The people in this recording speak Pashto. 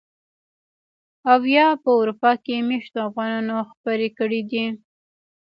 او يا په اروپا کې مېشتو افغانانو خپرې کړي دي.